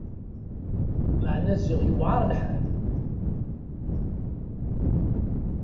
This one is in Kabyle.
Meεna ziɣ i yuεer lḥal!